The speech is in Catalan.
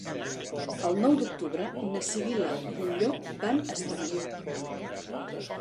El nou d'octubre na Sibil·la i en Llop van a Estamariu.